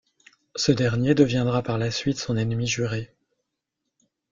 Ce dernier deviendra par la suite son ennemi juré.